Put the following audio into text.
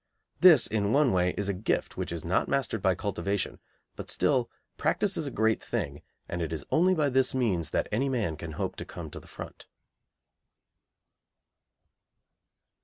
This, in one way, is a gift which is not mastered by cultivation, but still practice is a great thing, and it is only by this means that any man can hope to come to the front.